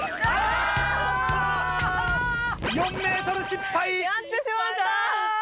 ４ｍ失敗。